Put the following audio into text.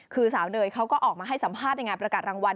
คือสาวเนยเขาก็ออกมาให้สัมภาษณ์ในงานประกาศรางวัล